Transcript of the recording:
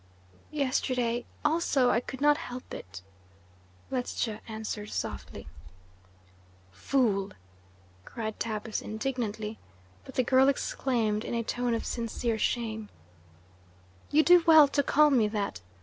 "Yesterday also I could not help it," Ledscha answered softly. "Fool!" cried Tabus indignantly, but the girl exclaimed, in a tone of sincere shame: "You do well to call me that.